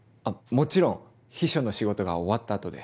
もちろん秘書の仕事が終わったあとで。